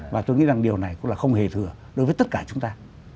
và tôi nghĩ rằng điều này cũng là không hề thừa đối với tất cả chúng ta